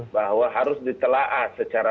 bahwa harus ditelah secara